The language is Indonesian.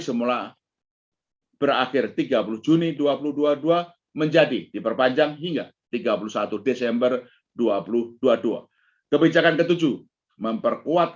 semula berakhir tiga puluh juni dua ribu dua puluh dua menjadi diperpanjang hingga tiga puluh satu desember dua ribu dua puluh dua kebijakan ketujuh memperkuat